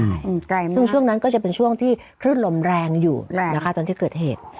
ใกล้มากนะครับซึ่งช่วงนั้นก็จะเป็นช่วงที่คลื่นลมแรงอยู่ตอนที่เกิดเหตุ